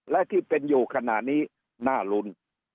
และที่เป็นอยู่ขณะนี้น่าลุ้น